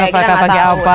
pakai apa pakai apa